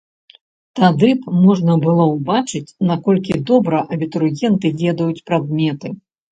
Тады б можна было убачыць, наколькі добра абітурыенты ведаюць прадметы.